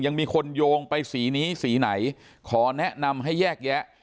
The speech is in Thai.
ยังมีคนโยงไปสีนี้สีไหนขอแนะนำให้แยกแยะ